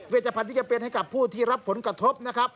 ชภัณฑ์ที่จะเป็นให้กับผู้ที่รับผลกระทบนะครับ